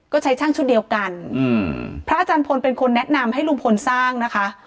ก็ใช้ช่างชุดเดียวกันอืมพระอาจารย์พลเป็นคนแนะนำให้ลุงพลสร้างนะคะ